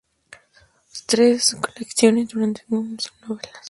Ha escrito tres colecciones de cuentos y once novelas.